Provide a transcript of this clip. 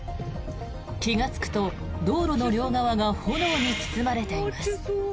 気がつくと、道路の両側が炎に包まれています。